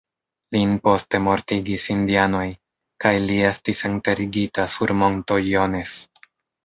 Lin poste mortigis indianoj, kaj li estis enterigita sur monto "Jones".